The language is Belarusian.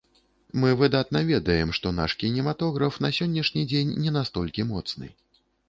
Мы выдатна ведаем, што наш кінематограф на сённяшні дзень не настолькі моцны.